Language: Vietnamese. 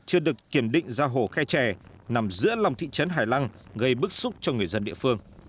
chưa được kiểm định ra hồ khe trè nằm giữa lòng thị trấn hải lăng gây bức xúc cho người dân địa phương